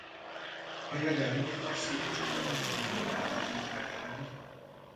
آیا دلیل خاصی وجود دارد که مرا دعوت نکردهاند؟